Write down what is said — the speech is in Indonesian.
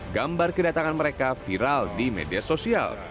gambar kedatangan mereka viral di media sosial